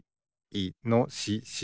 いのしし。